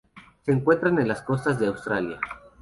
Se encuentran en las costas de Australia.